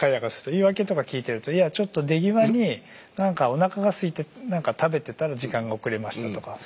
言い訳とか聞いてるといやちょっと出際になんかおなかがすいて何か食べてたら時間が遅れましたとか。